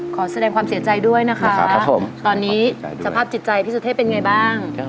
ขอแสดงความเสียใจด้วยนะคะตอนนี้สภาพจิตใจพี่สุเทพเป็นไงบ้าง